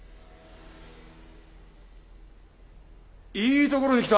いいところに来た。